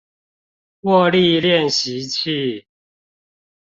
握力練習器